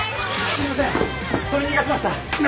すいません。